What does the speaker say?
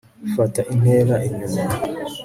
fata intera inyuma